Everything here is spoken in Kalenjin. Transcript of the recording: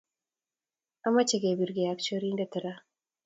amache kepirkee ak chorindet raa